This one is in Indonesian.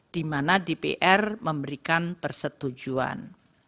di mana dpr memberikan persetujuan